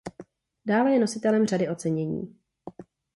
Dále je nositelem řady ocenění.